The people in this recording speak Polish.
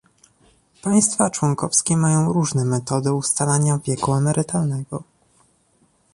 Państwa członkowskie mają różne metody ustalania wieku emerytalnego